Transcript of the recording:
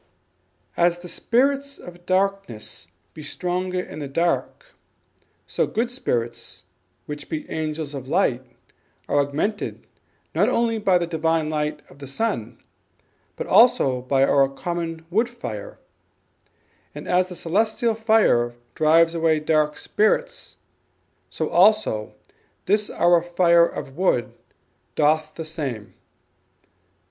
"As the Spirits of Darkness be stronger in the dark, so Good Spirits, which be Angels of Light, are augmented not only by the Divine light of the Sun, but also by our common Wood Fire: and as the Celestial Fire drives away dark spirits, so also this our Fire of Wood doth the same."